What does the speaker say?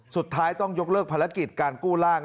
สุดท้ายต้องยกเลิกภารกิจการกู้ร่าง